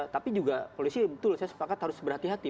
tapi juga polisi betul saya sepakat harus berhati hati